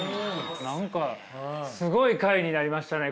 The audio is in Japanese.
何かすごい回になりましたね